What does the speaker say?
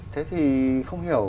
thế thì không hiểu